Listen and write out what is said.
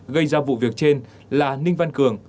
gây ra vụ việc trên là ninh văn cường